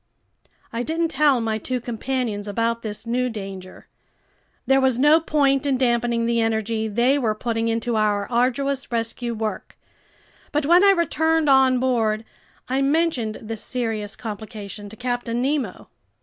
I didn't tell my two companions about this new danger. There was no point in dampening the energy they were putting into our arduous rescue work. But when I returned on board, I mentioned this serious complication to Captain Nemo.